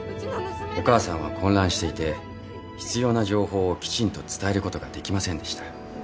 お母さんは混乱していて必要な情報をきちんと伝えることができませんでした。